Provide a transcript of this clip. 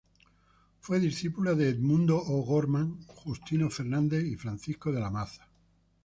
Fue discípula de Edmundo O'Gorman, Justino Fernández y Francisco de la Maza.